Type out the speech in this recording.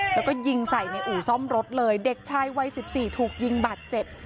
แล้วก็ยิงใส่ในอู่ซ่อมรถเลยเด็กชายวัย๑๔ถูกยิงบาดเจ็บ